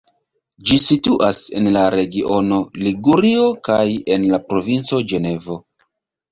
Ĝi situas en la regiono Ligurio kaj en la provinco Ĝenovo.